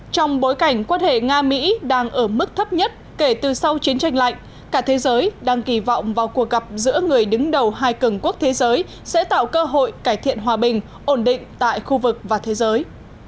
trong bối cảnh quan hệ nga mỹ đang ở mức thấp nhất kể từ sau chiến tranh lạnh cả thế giới đang kỳ vọng vào cuộc gặp giữa người đứng đầu hai cường quốc thế giới sẽ tạo cơ hội cải thiện hòa bình ổn định tại khu vực và thế giới